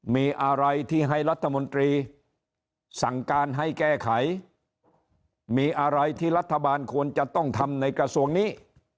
มีอะไรที่ให้รัฐมนตรีสั่งการให้แก้ไขมีอะไรที่รัฐบาลควรจะต้องทำในกระทรวงนี้